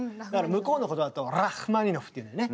向こうの言葉だと「ラッフマニノフ」って言うんだよね？